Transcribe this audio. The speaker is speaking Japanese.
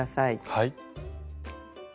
はい。